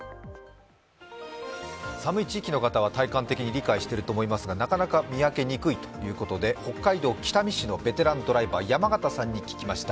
寒い地域の方は体感的に理解していると思いますがなかなか見分けにくいということで北海道北見市のベテランドライバー山形さんに聞きました。